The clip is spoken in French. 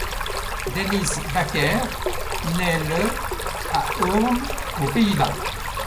Dennis Bakker naît le à Hoorn aux Pays-Bas.